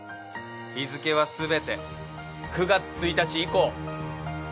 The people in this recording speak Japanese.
日付はすべて９月１日以降。